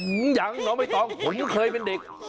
ยังน้องไม่ต้องผมก็เคยเป็นเด็ก